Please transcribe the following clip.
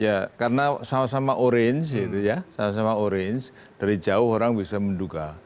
ya karena sama sama orange dari jauh orang bisa menduga